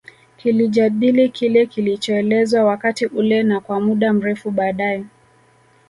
Kilijadili kile kilichoelezwa wakati ule na kwa muda mrefu baadae